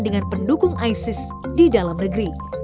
dengan pendukung isis di dalam negeri